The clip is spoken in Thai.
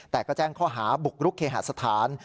แต่ก็แจ้งข้อหาบุกรุกเคหาสถาน